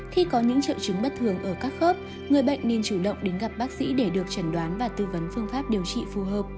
khi có những triệu chứng bất thường ở các khớp người bệnh nên chủ động đến gặp bác sĩ để được trần đoán và tư vấn phương pháp điều trị phù hợp